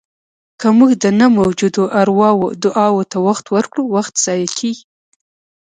که موږ د نه موجودو ارواوو دعاوو ته وخت ورکړو، وخت ضایع کېږي.